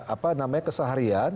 apa namanya keseharian